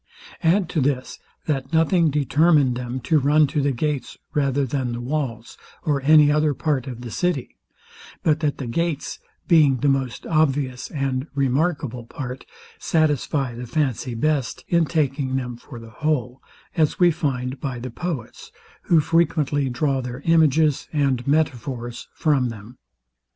Add to this, that nothing determined them to run to the gates rather than the walls, or any other part of the city, but that the gates, being the most obvious and remarkable part, satisfy the fancy best in taking them for the whole; as we find by the poets, who frequently draw their images and metaphors from them.